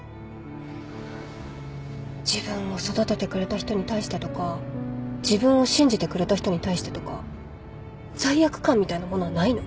自分を育ててくれた人に対してとか自分を信じてくれた人に対してとか罪悪感みたいなものはないの？